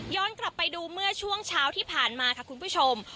กลับไปดูเมื่อช่วงเช้าที่ผ่านมาค่ะคุณผู้ชม